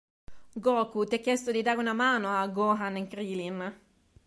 Goku ti ha chiesto di dare una mano a Gohan e Crilin.